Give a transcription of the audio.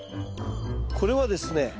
これはですね